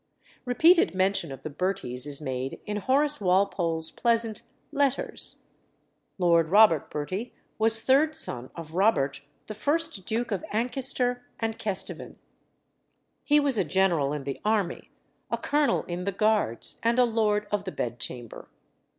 Repeated mention of the Berties is made in Horace Walpole's pleasant Letters. Lord Robert Bertie was third son of Robert the first Duke of Ancaster and Kesteven. He was a general in the army, a colonel in the Guards, and a lord of the bedchamber.